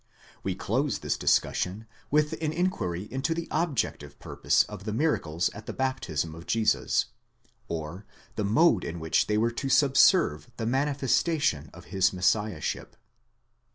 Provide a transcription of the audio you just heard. We close this discussion with an inquiry into the objective purpose of the miracles at the baptism of Jesus, or the mode in which they were to subserve the manifestation of his messiah ship.